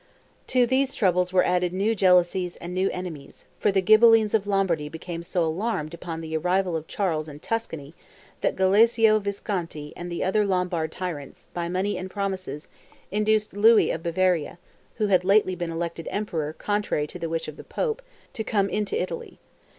To these troubles were added new jealousies and new enemies; for the Ghibellines of Lombardy became so alarmed upon the arrival of Charles in Tuscany, that Galeazzo Visconti and the other Lombard tyrants, by money and promises, induced Louis of Bavaria, who had lately been elected emperor contrary to the wish of the pope, to come into Italy.